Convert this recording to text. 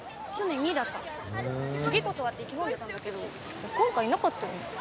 去年２位だった次こそはって意気込んでたんだけど今回いなかったよね？